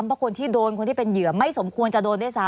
เพราะคนที่โดนคนที่เป็นเหยื่อไม่สมควรจะโดนด้วยซ้